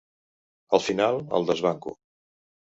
Al final, el desbanco.